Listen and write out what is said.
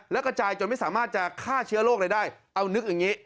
แล้วกระจายจนไม่สามารถจะฆ่าเชื้อโรคอะไรได้เอานึกอย่างนี้